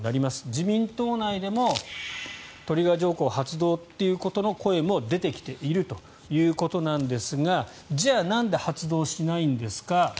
自民党内でもトリガー条項発動という声も出てきているということなんですがじゃあなんで発動しないんですか。